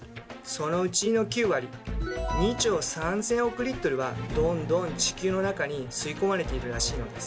そのうちの９割２兆３，０００億はどんどん地球の中に吸いこまれているらしいのです。